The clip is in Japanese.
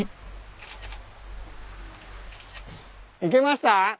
いけました？